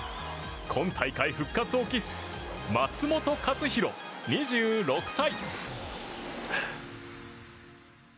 今大会、復活を期す松元克央、２６歳。